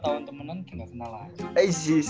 empat tahun temenan kita kenal aja